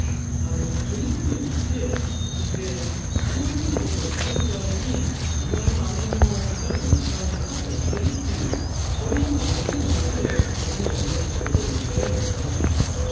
ジュネーブにいてこういうことをしゃべる代わりに身柄の安全も多分、西側に確保されるというそういう条件の下でここまで思い切ったことを言っているんだろうなと思います。